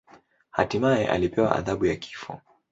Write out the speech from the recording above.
Hatimaye alipewa adhabu ya kifo.